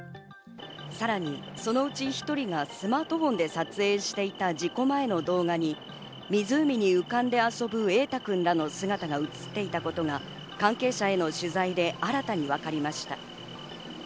さらにそのうち１人がスマートフォンで撮影していた事故前の動画に湖に浮かんで遊ぶ瑛大君らの姿が映っていたことが関係者への取材で新たに分かりました。